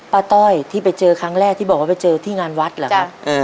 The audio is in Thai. ต้อยที่ไปเจอครั้งแรกที่บอกว่าไปเจอที่งานวัดเหรอครับ